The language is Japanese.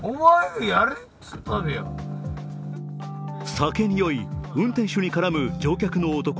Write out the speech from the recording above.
酒に酔い、運転手に絡む乗客の男。